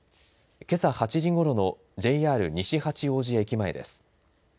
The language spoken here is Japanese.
けさ８時ごろのＪＲ西八王子駅前です。